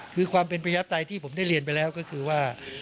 คือความเป็นประชาปไตยที่ผมได้เรียนไปแล้วก็คือว่า